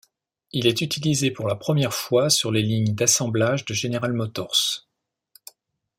Il est utilisé pour la première fois sur les lignes d'assemblage de General Motors.